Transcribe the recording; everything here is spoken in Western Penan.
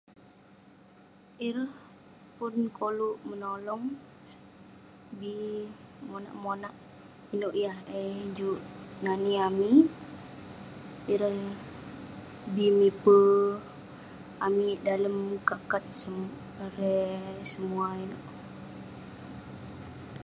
Ireh pun koluk menolong, bi monak monak inouk yah eh juk nani amik. Ireh bi miper amik dalem kat kat se-erei semua inouk.